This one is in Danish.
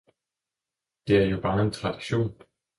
Det er jo bare en tradition!